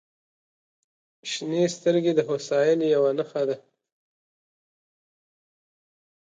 • شنې سترګې د هوساینې یوه نښه ده.